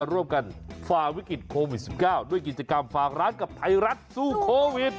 ร่วมกันฝ่าวิกฤตโควิด๑๙ด้วยกิจกรรมฝากร้านกับไทยรัฐสู้โควิด